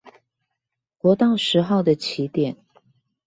國道十號的起點